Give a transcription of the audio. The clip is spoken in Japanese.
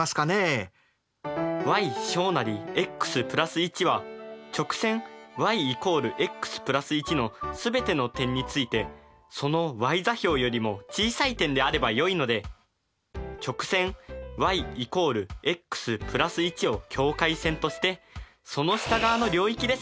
ｙｘ＋１は直線ｙ＝ｘ＋１の全ての点についてそのｙ座標よりも小さい点であればよいので直線ｙ＝ｘ＋１を境界線としてその下側の領域ですね。